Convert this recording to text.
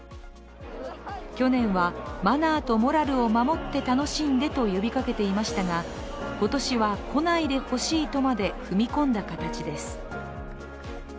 去年はマナーとモラルを守って楽しんでと呼びかけていましたが今年は来ないでほしいとまで踏み込んだ形です。